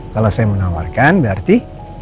kalau saya mau nawarkan berarti